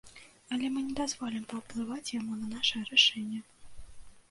Але мы не дазволім паўплываць яму на нашае рашэнне.